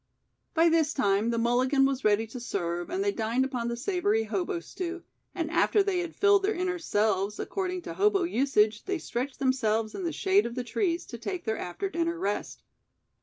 By this time the "mulligan" was ready to serve and they dined upon the savory hobo stew, and after they had filled their inner selves, according to hobo usage they stretched themselves in the shade of the trees to take their after dinner rest.